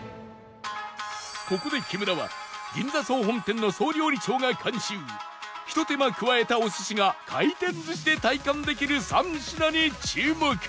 ここで木村は銀座総本店の総料理長が監修ひと手間加えたお寿司が回転寿司で体感できる３品に注目